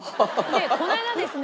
でこの間ですね